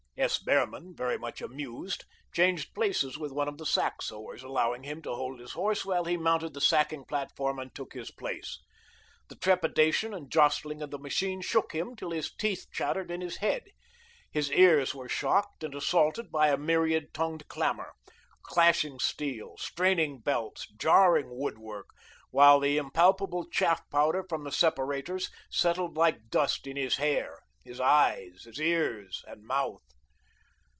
S. Behrman, very much amused, changed places with one of the sack sewers, allowing him to hold his horse while he mounted the sacking platform and took his place. The trepidation and jostling of the machine shook him till his teeth chattered in his head. His ears were shocked and assaulted by a myriad tongued clamour, clashing steel, straining belts, jarring woodwork, while the impalpable chaff powder from the separators settled like dust in his hair, his ears, eyes, and mouth.